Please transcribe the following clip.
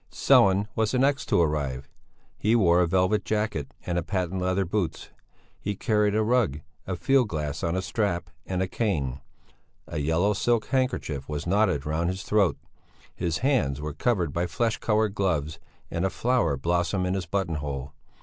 Sellén was the next to arrive. He wore a velvet jacket and patent leather boots; he carried a rug, a field glass on a strap, and a cane; a yellow silk handkerchief was knotted round his throat; his hands were covered by flesh coloured gloves and a flower blossomed in his buttonhole.